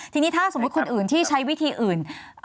ทีนี้ถ้าสมมุติคนอื่นที่ใช้วิธีอื่น